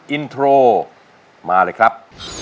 อินโทรมาเลยครับ